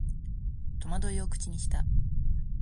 戸惑いを口にした